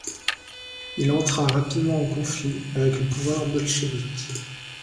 Il entra rapidement en conflit avec le pouvoir bolchevik.